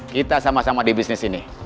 kita sama sama di bisnis ini